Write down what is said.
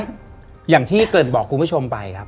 และยินดีต้อนรับทุกท่านเข้าสู่เดือนพฤษภาคมครับ